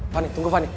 fani tunggu fani